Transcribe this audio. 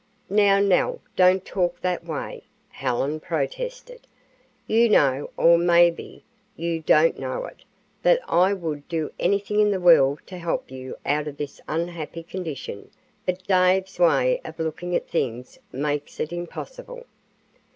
"Now, Nell, don't talk that way," Helen protested. "You know or maybe you don't know it that I would do anything in the world to help you out of this unhappy condition, but Dave's way of looking at things makes it impossible.